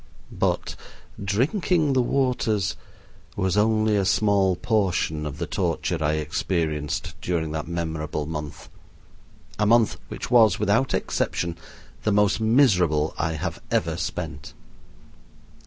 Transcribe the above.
But "drinking the waters" was only a small portion of the torture I experienced during that memorable month a month which was, without exception, the most miserable I have ever spent.